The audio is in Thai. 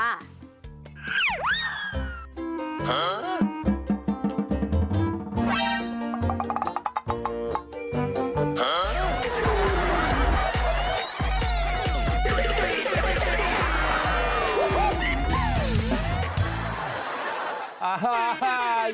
นุ๊กพลีจะไม่เงินให้ให้งาม